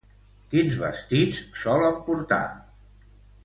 Quins vestits solen portar?